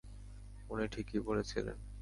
উনি ঠিকই বলেছিলেন!